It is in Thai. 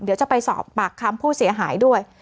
เดี๋ยวจะไปสอบปากคำผู้เสียหายด้วย